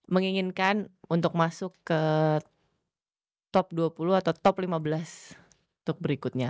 menginginkan untuk masuk ke top dua puluh atau top lima belas untuk berikutnya